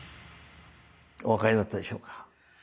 お分かりだったでしょうか？